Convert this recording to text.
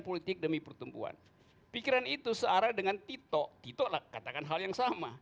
politik demi pertumbuhan pikiran itu searah dengan tito tito katakan hal yang sama